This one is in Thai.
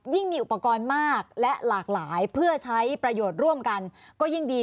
มีอุปกรณ์มากและหลากหลายเพื่อใช้ประโยชน์ร่วมกันก็ยิ่งดี